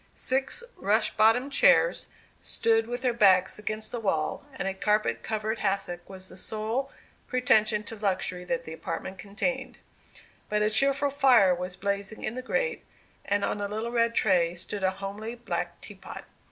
Six rush bottomed chairs stood with their backs against the wall, and a carpet covered hassock was the sole pretension to luxury that the apartment contained. But a cheerful fire was blazing in the grate, and on a little red tray stood a homely black teapot.